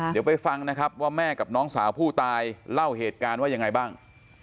เดี๋ยวไปฟังนะครับว่าแม่กับน้องสาวผู้ตายเล่าเหตุการณ์ว่ายังไงบ้าง